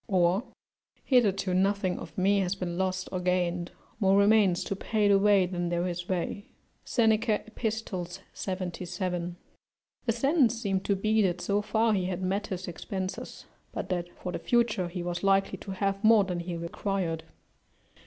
(Or): "Hitherto nothing of me has been lost or gained; more remains to pay the way than there is way." Seneca, Ep., 77. (The sense seems to be that so far he had met his expenses, but that for the future he was likely to have more than he required.)